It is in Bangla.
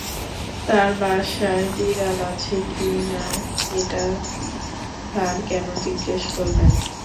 তাঁর বাসায় বিড়াল আছে কি না এটা স্যার কেন জিজ্ঞেস করলেন?